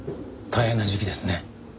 大変な時期ですね。